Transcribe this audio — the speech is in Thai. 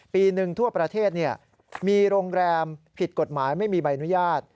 ปีหนึ่งทั่วประเทศมีโรงแรมผิดกฎหมายไม่มีใบอนุญาต